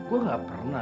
udah puas mas